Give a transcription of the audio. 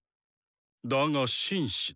だが紳士だ。